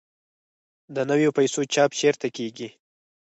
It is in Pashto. د نویو پیسو چاپ چیرته کیږي؟